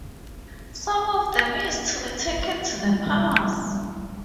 Some of them used to be taken to the palace.